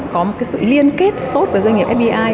có một sự liên kết tốt với doanh nghiệp fdi